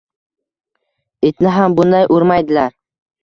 Itni ham bunday urmaydilar.